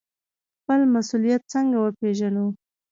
خپل مسوولیت څنګه وپیژنو؟